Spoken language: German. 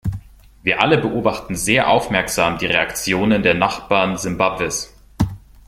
Wir alle beobachten sehr aufmerksam die Reaktionen der Nachbarn Simbabwes.